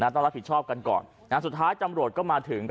ต้องรับผิดชอบกันก่อนสุดท้ายจำรวจก็มาถึง